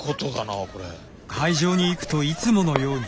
会場に行くといつものように。